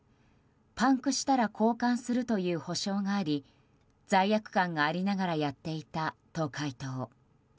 パンクしたら交換するという保証があり、罪悪感がありながらやっていたと回答。